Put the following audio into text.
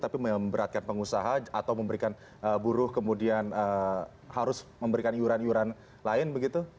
tapi memberatkan pengusaha atau memberikan buruh kemudian harus memberikan iuran iuran lain begitu